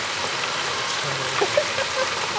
ちょっと時間が余っちゃいましたね。